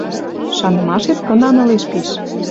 Шанымашет кынан ылеш пиш.